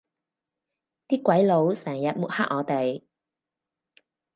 啲鬼佬成日抹黑我哋